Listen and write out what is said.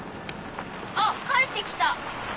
あっ帰ってきた。